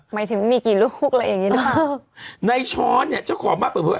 หมายถึงมันมีกี่ลูกอะไรอย่างงี้ด้วยในช้อนเนี่ยเจ้าขอบมาเปิดเผลอ